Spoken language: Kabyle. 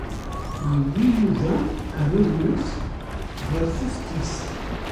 Yewwi Yuba arraw-nnes ɣer teftist.